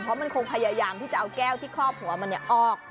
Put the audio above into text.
เพราะมันคงพยายามที่จะเอาแก้วที่ครอบหัวมันออก